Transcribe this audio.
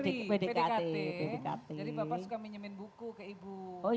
jadi bapak suka minyamin buku ke ibu